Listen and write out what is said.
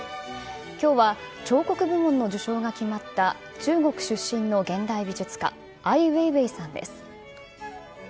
きょうは彫刻部門の受賞が決まった中国出身の現代美術家、アイ・ウェイウェイさんです。